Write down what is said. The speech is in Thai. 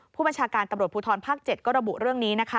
ผู้บัญชาการปรับประบัติศาสนิทธิ์ภูริธรภาค๗ก็ระบุเรื่องนี้